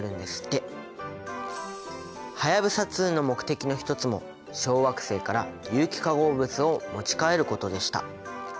はやぶさ２の目的の一つも小惑星から有機化合物を持ち帰ることでした。